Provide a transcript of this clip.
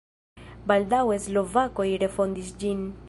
Baldaŭe slovakoj refondis ĝin.